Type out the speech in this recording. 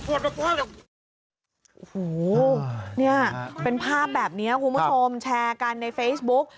โอ้โหเนี่ยเป็นภาพแบบนี้คุณผู้ชมแชร์กันในเฟซบุ๊ก